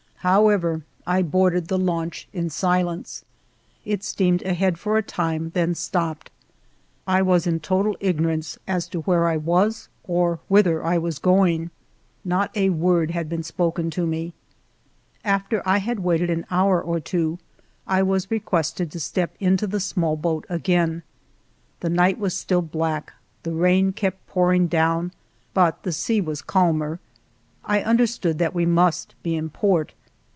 However, I boarded the launch in silence. It steamed ahead for a time, then stopped. I was in total ignorance as to where I was or whither I was going. Not a word had been spoken to me. After I had waited an hour or two, I was requested to step into the small boat again. The night was still black, the rain kept pouring down, but the sea was calmer. I understood that we must be in port.